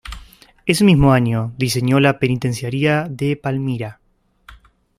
Ese mismo año diseñó la Penitenciaría de Palmira.